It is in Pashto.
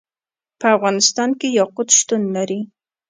په افغانستان کې یاقوت شتون لري.